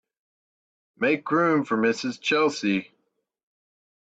Make room for Mrs. Chelsea.